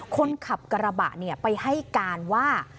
คนขับกระบะไปให้การว่า